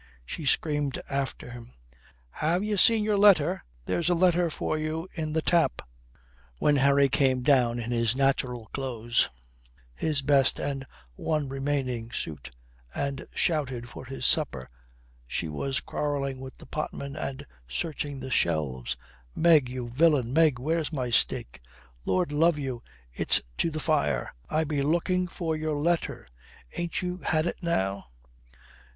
She screamed after him "Ha' you seen your letter? There's a letter for you in the tap." When Harry came down in his natural clothes, his best and one remaining suit, and shouted for his supper she was quarrelling with the potman and searching the shelves: "Meg, you villain Meg, where's my steak?" "Lord love you, it's to the fire. I be looking for your letter. Ain't you had it now?